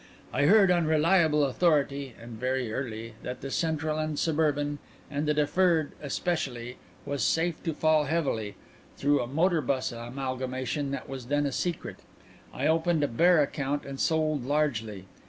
I heard on reliable authority, and very early, that the Central and Suburban, and the Deferred especially, was safe to fall heavily, through a motor bus amalgamation that was then a secret. I opened a bear account and sold largely.